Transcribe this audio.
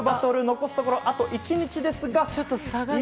残すところ、あと１日ですが。